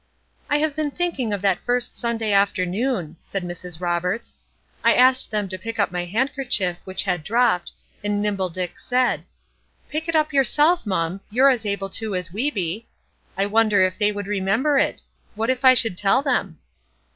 "I have been thinking of that first Sunday afternoon," said Mrs. Roberts. "I asked them to pick up my handkerchief, which had dropped, and 'Nimble Dick' said, 'Pick it up yourself, mum! you're as able to as we be!' I wonder if they would remember it? What if I should tell them!"